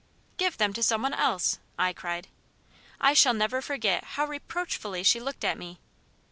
'Give them to some one else!' I cried. I shall never forget how reproachfully she looked at me.